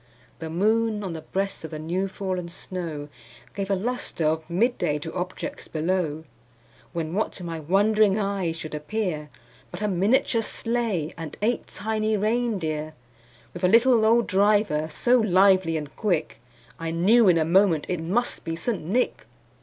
The moon, on the breast of the new fallen snow, Gave a lustre of mid day to objects below; When, what to my wondering eyes should appear, But a miniature sleigh, and eight tiny rein deer, With a little old driver, so lively and quick, I knew in a moment it must be St. Nick.